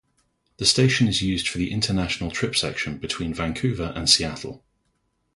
The station is used for the international trip section between Vancouver and Seattle.